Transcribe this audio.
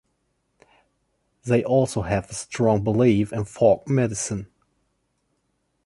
They also have a strong belief in folk medicine.